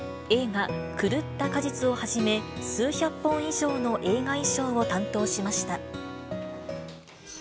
映画、狂った果実をはじめ、数百本以上の映画衣装を担当しました。